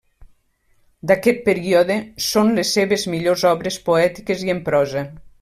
D'aquest període són les seves millors obres poètiques i en prosa.